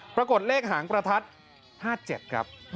ปรากฏเลขหางประทัด๕๗ครับ